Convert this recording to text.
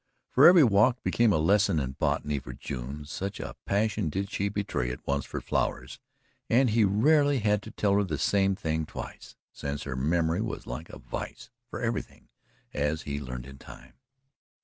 For every walk became a lesson in botany for June, such a passion did she betray at once for flowers, and he rarely had to tell her the same thing twice, since her memory was like a vise for everything, as he learned in time.